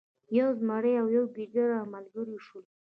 یو زمری او یو ګیدړه ملګري شول.